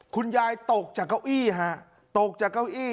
คุณยายตกจากเก้าอี้ฮะตกจากเก้าอี้